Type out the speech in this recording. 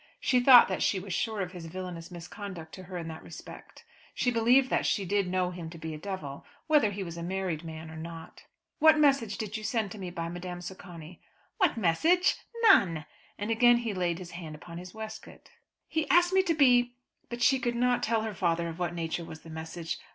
She thought that she was sure of his villainous misconduct to her in that respect. She believed that she did know him to be a devil, whether he was a married man or not. "What message did you send to me by Madame Socani?" "What message? None!" and again he laid his hand upon his waistcoat. "He asked me to be " But she could not tell her father of what nature was the message.